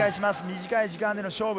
短い時間での勝負。